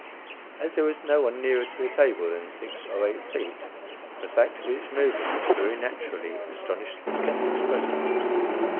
As there was no one nearer to the table than six or eight feet, the fact of its moving, very naturally astonished the skeptics present.